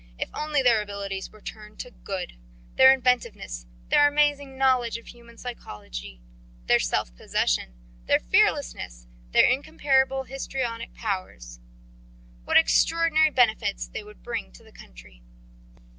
If only their abilities were turned to good their inventiveness, their amazing knowledge of human psychology, their self possession, their fearlessness, their incomparable histrionic powers! What extraordinary benefits they would bring to the country!'